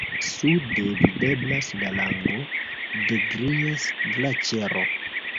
Sude videblas la lango de Gries-Glaĉero.